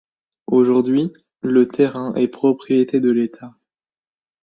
Aujourd'hui, le terrain est propriété de l’État.